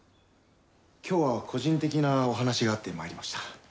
今日は個人的なお話があって参りました。